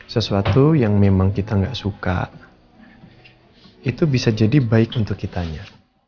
sesuatu yang memang kita nggak suka itu bisa jadi baik untuk kitanya